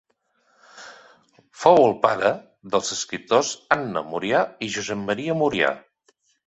Fou el pare dels escriptors Anna Murià i Josep Maria Murià.